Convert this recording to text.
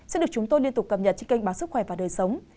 sẽ được chúng tôi liên tục cập nhật trên kênh báo sức khỏe và đời sống